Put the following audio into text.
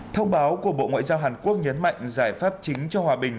thông báo của bộ ngoại giao hàn quốc nhấn mạnh giải pháp chính cho hòa bình